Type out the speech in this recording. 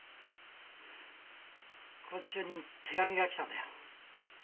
拘置所に手紙が来たんだよ。